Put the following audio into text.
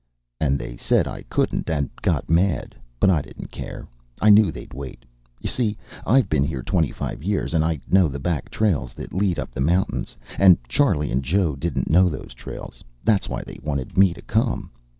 And they said I couldn't, and got mad. But I didn't care. I knew they'd wait. You see, I've been here twenty five years, and I know the back trails that lead up the mountain, and Charley and Joe didn't know those trails. That's why they wanted me to come.